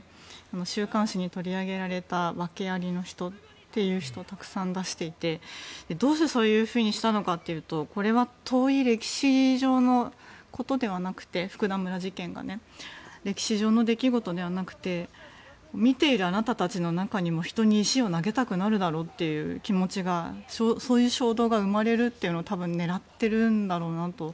週刊誌に取り上げられた訳ありの人がたくさん出ていて、どうしてそういうふうにしたのかというとこれは福田村事件が遠い歴史上のことではなくて歴史上の出来事ではなく見ているあなたたちの中でも人に石を投げたくなるだろというそういう衝動が生まれるのを狙ってるんだろうなと。